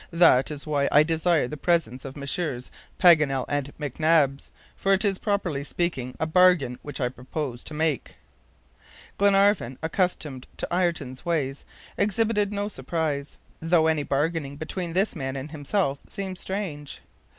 That is why I desire the presence of Messrs. Paganel and McNabbs, for it is, properly speaking, a bargain which I propose to make." Glenarvan, accustomed to Ayrton's ways, exhibited no surprise, though any bargaining between this man and himself seemed strange.